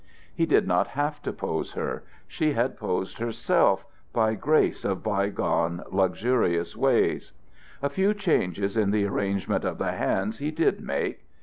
He did not have to pose her; she had posed herself by grace of bygone luxurious ways. A few changes in the arrangement of the hands he did make.